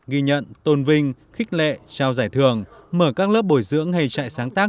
ghi nhận tôn vinh khích lệ trao giải thưởng mở các lớp bồi dưỡng hay trại sáng tác